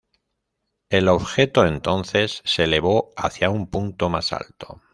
El objeto entonces se elevó hacia un punto más alto.